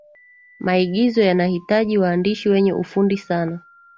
maigizo yanahitaji waandishi wenye ufundi sana